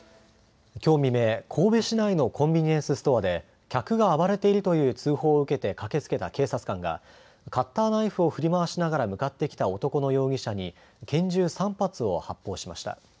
きょう未明、神戸市内のコンビニエンスストアで客が暴れているという通報を受けて駆けつけた警察官がカッターナイフを振り回しながら向かってきた男の容疑者に拳銃３発を発砲しました。